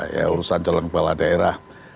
ya urusan calon kepala daerah